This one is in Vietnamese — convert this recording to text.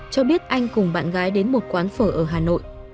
cho biết anh cùng bạn gái đến một quán phở ở hà nội